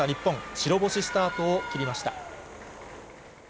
白星スタートを切りました。